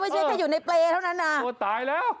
ไม่ใช่แค่อยู่ในเปลเท่านั้นน่ะโอ้โฮตายแล้ว